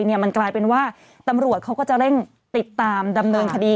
มันกลายเป็นว่าตำรวจเขาก็จะเร่งติดตามดำเนินคดี